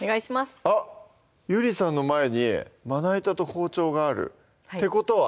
あっゆりさんの前にまな板と包丁があるってことは？